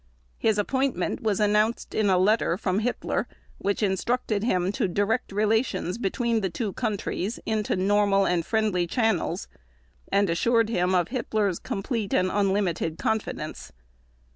His appointment was announced in a letter from Hitler which instructed him to direct relations between the two countries "into normal and friendly channels" and assured him of Hitler's "complete and unlimited confidence".